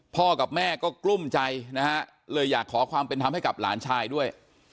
กับแม่ก็กลุ้มใจนะฮะเลยอยากขอความเป็นธรรมให้กับหลานชายด้วย